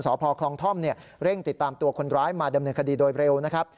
สพคลองท่อมเร่งติดตามตัวคนร้ายมาดำเนินคดีโดยเร็วนะครับ